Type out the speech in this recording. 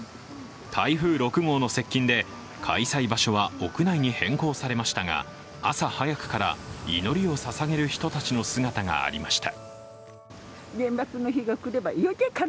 台風６号の接近で開催場所は屋内に変更されましたが朝早くから祈りをささげる人たちの姿がありました。